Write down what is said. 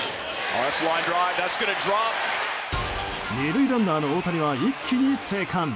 ２塁ランナーの大谷は一気に生還。